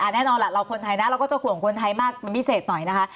แน่นอนล่ะเราคนไทยนะเราก็จะห่วงคนไทยมากเป็นพิเศษหน่อยนะคะ